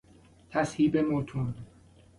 تذهیب متون